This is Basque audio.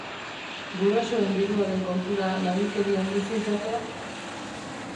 Gurasoen diruaren kontura nagikerian bizi izatea?